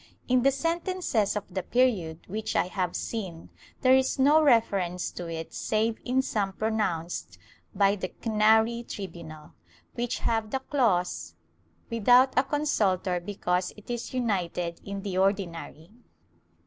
In the sentences of the period which I have seen there is no reference to it save in some pronounced by the Canary tribunal, which have the clause "without a consultor because it is united in the Ordinary."